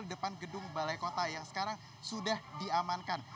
di depan gedung balai kota yang sekarang sudah diamankan